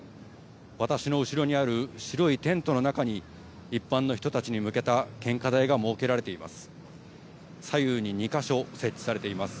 私の後ろにある白いテントの中に、一般の人たちに向けた献花台が設けられています。